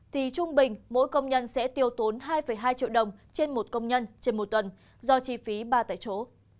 thì trung bình mỗi công nhân sẽ tiêu tốn hai hai triệu đồng trên một công nhân trên một tuần do chi phí ba tại chỗ